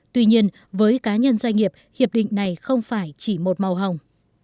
tuy nhiên với cá nhân doanh nghiệp hiệp định này không phải chỉ một màu hồng